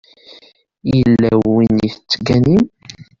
Yella win i tettganim?